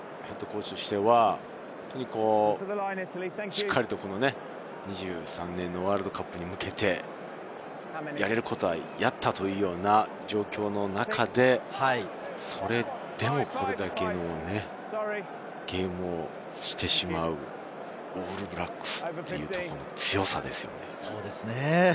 ＨＣとしては、しっかりと２３年のワールドカップに向けてやれることはやったというような状況の中で、それでも、これだけのゲームをしてしまうオールブラックス、強さですよね。